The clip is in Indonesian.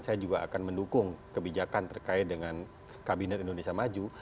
saya juga akan mendukung kebijakan terkait dengan kabinet indonesia maju